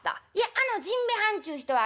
「『あの甚兵衛はんちゅう人はね